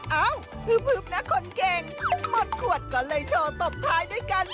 เอ้าฮึบนะคนเก่งหมดขวดก็เลยโชว์ตบท้ายด้วยกัน